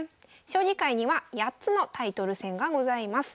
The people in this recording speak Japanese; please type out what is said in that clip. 将棋界には８つのタイトル戦がございます。